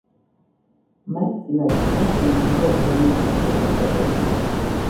მას წილად ხვდა ძირითადად დადებითი შეფასებები.